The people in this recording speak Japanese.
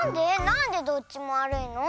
なんでどっちもわるいの？